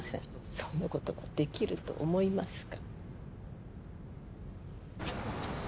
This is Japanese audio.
そんなことができると思いますか？